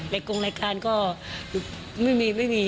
กงรายการก็ไม่มีไม่มี